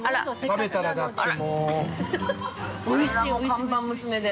◆食べたら、だってもう◆看板娘で。